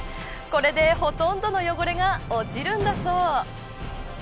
これでほとんどの汚れが落ちるんだそう。